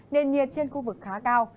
nền nhiệt trên khu vực khá cao